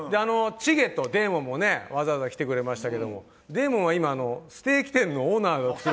チゲとデーモンも来てくれましたけど、デーモンは今、ステーキ店のオーナー。